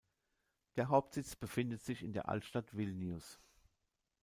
Der Hauptsitz befindet sich in der Altstadt Vilnius.